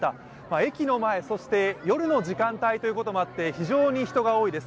駅の前、そして夜の時間帯ということもあって非常に人が多いです。